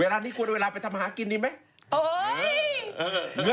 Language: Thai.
เวลานี้ควรเวลาไปทำมาหากินดีมั้ย